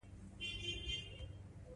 زه کښېناستم